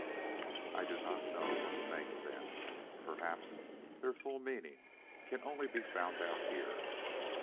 I do not know what to make of them; perhaps their full meaning can only be found out here.